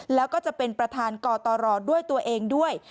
แล้วก็จะเป็นประธานกตรด้วยตัวเองด้วย